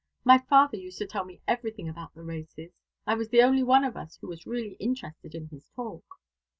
My father used to tell me everything about the races. I was the only one of us who was really interested in his talk."